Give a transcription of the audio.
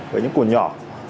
với những cụ nhỏ